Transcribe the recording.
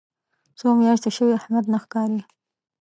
څو میاشتې شوې احمد نه ښکاري.